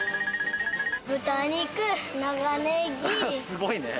すごいね。